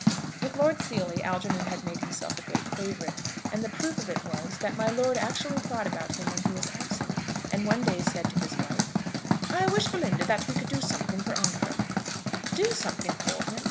With Lord Seely Algernon had made himself a great favourite, and the proof of it was, that my lord actually thought about him when he was absent; and one day said to his wife, "I wish, Belinda, that we could do something for Ancram." "Do something for him!